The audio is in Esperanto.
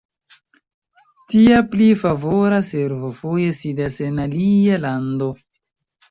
Tia pli favora servo foje sidas en alia lando.